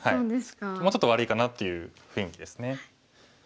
もうちょっと悪いかなという雰囲気ですね。